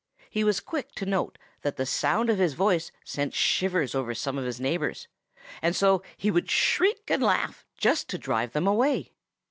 He was quick to note that the sound of his voice sent shivers over some of his neighbors, and so he would shriek and laugh just to drive them away.